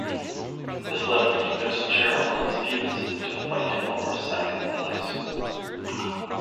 This left Fitzgerald and Stevenson to fight over second place.